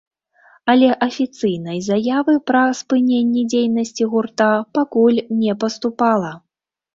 Але афіцыйнай заявы пра спыненне дзейнасці гурта пакуль не паступала.